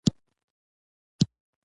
ګومان مې کاوه چې زړه مې ويلېږي.